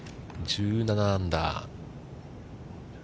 １７アンダー。